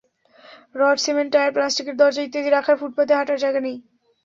Rod, cement, tyre, প্লাস্টিকের দরজা ইত্যাদি রাখায় ফুটপাতে হাঁটার জায়গা নেই।